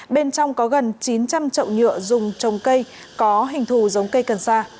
bên trong có gần chín trăm linh trậu nhựa dùng trồng cây có hình thù giống cây cần sa